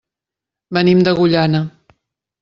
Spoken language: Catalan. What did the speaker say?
Venim d'Agullana.